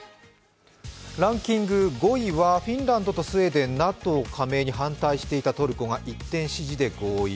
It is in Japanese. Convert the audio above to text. ランキング５位はフィンランドとスウェーデン、ＮＡＴＯ加盟に反対していたトルコが一転、合意。